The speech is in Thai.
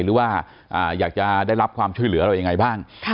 หรือว่าอยากจะได้รับความช่วยเหลืออะไรยังไงบ้าง